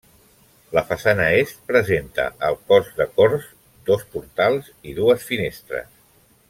La façana Est presenta al cos de corts dos portals i dues finestres.